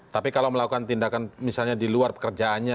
tapi kalau melakukan tindakan misalnya di luar pekerjaannya